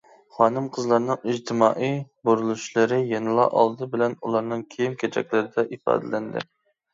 خانىم-قىزلارنىڭ ئىجتىمائىي بۇرۇلۇشلىرى يەنىلا ئالدى بىلەن ئۇلارنىڭ كىيىم-كېچەكلىرىدە ئىپادىلەندى.